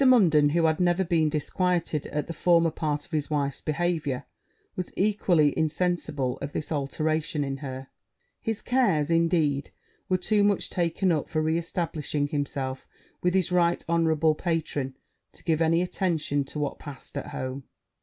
Munden, who had never been disquieted at the former part of his wife's behaviour, was equally insensible of this alteration in her: his cares, indeed, were too much taken up for re establishing himself with his right honourable patron, to give any attention to what passed at home.